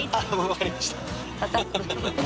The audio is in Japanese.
分かりました